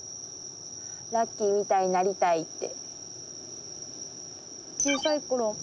ラッキーみたいになりたいって。